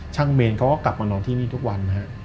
ช่างเมนเขาก็กลับมานอนที่นี่ทุกวัน